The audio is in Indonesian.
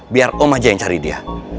biar om aja yang cari dia